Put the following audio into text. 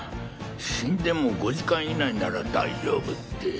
「死んでも５時間以内なら大丈夫」って。